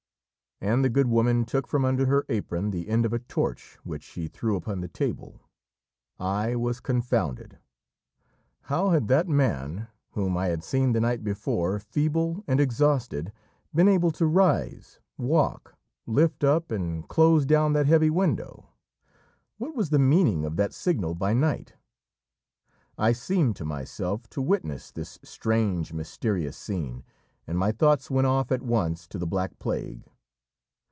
And the good woman took from under her apron the end of a torch, which she threw upon the table. I was confounded. How had that man, whom I had seen the night before feeble and exhausted, been able to rise, walk, lift up and close down that heavy window? What was the meaning of that signal by night? I seemed to myself to witness this strange, mysterious scene, and my thoughts went off at once to the Black Plague.